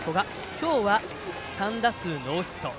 今日は３打数ノーヒット。